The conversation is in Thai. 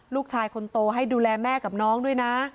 ลูกชายคนโตให้ดูแลแม่กับน้องด้วยนะ